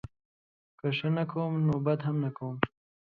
که ښه نه کوم نوبدهم نه کوم